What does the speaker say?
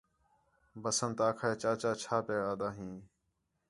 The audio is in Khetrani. بسنت آکھا ہِے چاچا چَھا پِیا آہدا ہیں